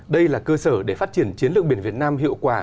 đây là cơ sở để phát triển chiến lược biển việt nam